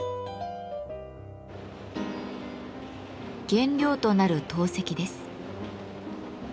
原料となる陶石です。